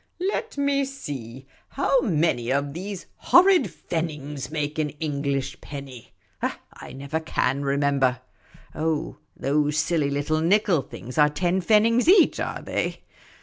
" Let me see, how many of these horrid pfennigs make an English penny ? I never ca7i remember. Oh, those silly little nickel things are ten pfennigs each, are they